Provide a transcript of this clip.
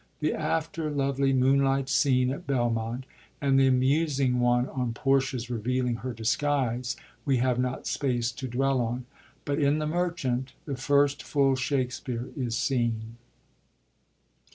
The after lovely moonlight scene at Belmont, and the amusing one on Portia's revealing her disguise, we have not space to dwell on ; but in T?ie Merchant the first full Shakspere is seen.